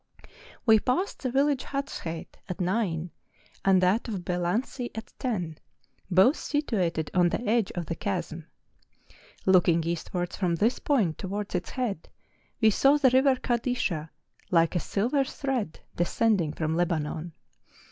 We passed the village Hatsheit at nine, and that of Belansi at ten, both situated on the edge of the chasm ; looking eastwards from this point to¬ wards its head, we saw the river Kadisha, like a silver thread descending from Lebanon.